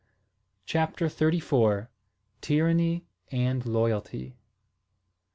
CHAPTER THIRTY FOUR. TYRANNY AND LOYALTY.